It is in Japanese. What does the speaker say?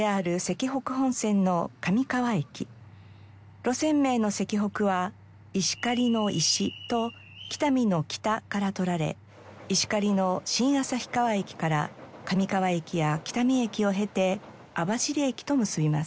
路線名の「石北」は石狩の「石」と北見の「北」から採られ石狩の新旭川駅から上川駅や北見駅を経て網走駅と結びます。